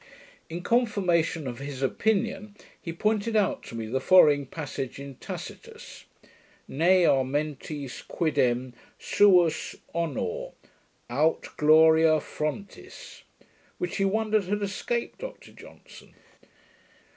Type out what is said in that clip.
In confirmation of his opinion, he pointed out to me the following passage in Tacitus, Ne armentis quidem suus honor, aut gloria frontis (De mor. Germ. Section 5) which he wondered had escaped Dr Johnson.